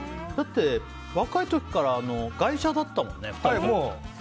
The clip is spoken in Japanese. だって若い時から外車だったもんね。